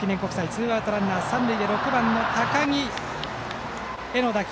ツーアウトランナー、三塁で６番の高木の打球。